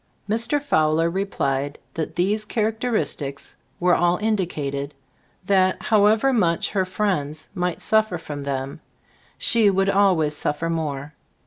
Mr. Fowler replied that these char acteristics were all indicated; that, however much her friends might suf fer from them, she would always suf fer more.